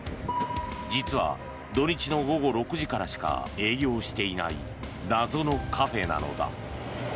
実は土日の午後６時からしか営業していない謎のカフェなのだ。